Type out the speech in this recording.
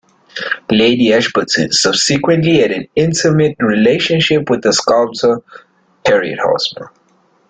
Lady Ashburton subsequently had an intimate relationship with the sculptor Harriet Hosmer.